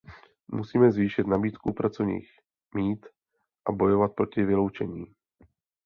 Musíme zvýšit nabídku pracovních mít a bojovat proti vyloučení.